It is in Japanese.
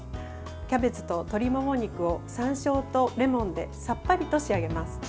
キャベツと鶏もも肉をさんしょうとレモンでさっぱりと仕上げます。